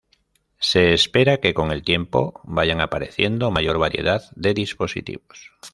Se espera que con el tiempo vayan apareciendo mayor variedad de dispositivos.